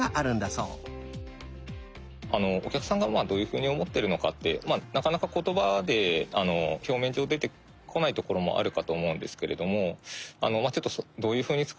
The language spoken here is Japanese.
お客さんがまあどういうふうに思ってるのかってなかなか言葉で表面上出てこないところもあるかと思うんですけれどもまあちょっとどういうふうに使われるのかというのを想像しながら